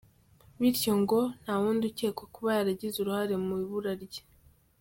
Bityo ngo, nta wundi ukekwa kuba yaragize urahare mu ibura rye.